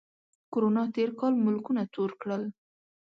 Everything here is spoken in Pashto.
کرونا تېر کال ملکونه تور کړل